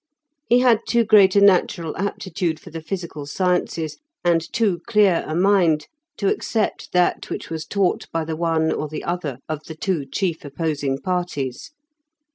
He had too great a natural aptitude for the physical sciences, and too clear a mind, to accept that which was taught by the one or the other of the two chief opposing parties.